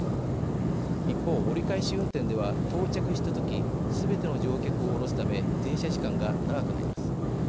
一方、折り返し運転では到着した時すべての乗客を降ろすため停車時間が長くなります。